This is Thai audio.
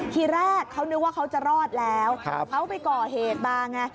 ทีแรกเขานึกว่าเขาจะรอดแล้วเขาไปก่อเหตุมาไง